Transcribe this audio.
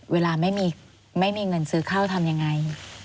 เวลาไม่มีเงินซื้อข้าวทำยังไง